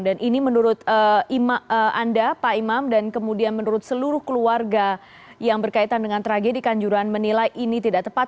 dan ini menurut anda pak imam dan kemudian menurut seluruh keluarga yang berkaitan dengan tragedi kanjuran menilai ini tidak tepat